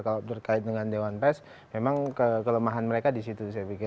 kalau terkait dengan dewan pers memang kelemahan mereka di situ saya pikir